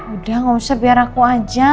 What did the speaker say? udah gak usah biar aku aja